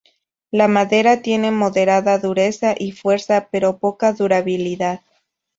La madera tiene moderada dureza y fuerza pero poca durabilidad.